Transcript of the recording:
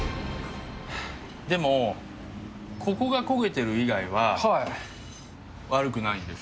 でも、ここが焦げている以外は、悪くないんです。